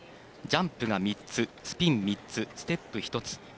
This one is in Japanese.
ジャンプが３つ、スピンが３つステップ１つ。